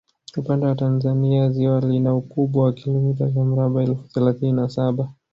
Upande wa Tanzania ziwa lina ukubwa wa kilomita za mraba elfu thelathini na saba